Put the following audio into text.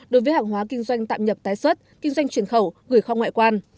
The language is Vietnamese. đối với hàng hóa kinh doanh tạm nhập tái xuất kinh doanh chuyển khẩu gửi kho ngoại quan